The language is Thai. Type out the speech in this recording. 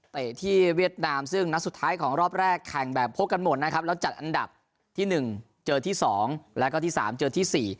ที่เวียดนามซึ่งนัดสุดท้ายของรอบแรกแข่งแบบพบกันหมดนะครับแล้วจัดอันดับที่๑เจอที่๒แล้วก็ที่๓เจอที่๔